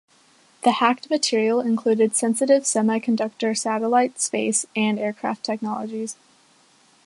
The hacked material included "sensitive semiconductor, satellite, space, and aircraft technologies".